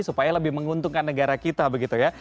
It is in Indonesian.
supaya lebih menguntungkan negara kita begitu ya